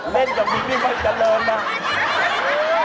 เล่นกับบีมันจะเลินนะ